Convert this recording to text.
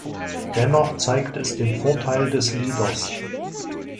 Dennoch zeigt es den Vorteil des Leaders.